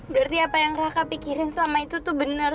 berarti apa yang raka pikirin selama itu tuh bener